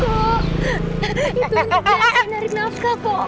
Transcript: itu dia yang nari nafkah kok